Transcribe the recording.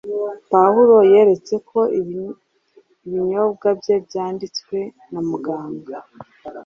Pawulo yaketse ko ibinyobwa bye byanditswe na muganga